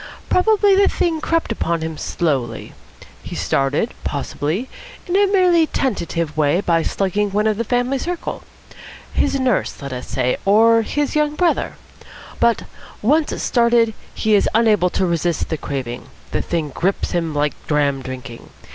Probably the thing crept upon him slowly. He started, possibly, in a merely tentative way by slugging one of the family circle. His nurse, let us say, or his young brother. But, once started, he is unable to resist the craving. The thing grips him like dram drinking.